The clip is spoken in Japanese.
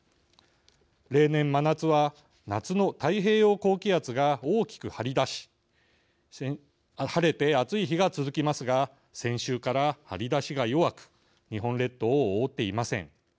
例年、真夏は夏の太平洋高気圧が大きく張り出し晴れて暑い日が続きますが先週から張り出しが弱く日本列島を覆っていません。